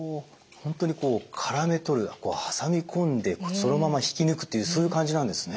ホントにこうからめ取る挟み込んでそのまま引き抜くというそういう感じなんですね。